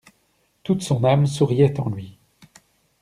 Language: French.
Toute son âme souriait en lui.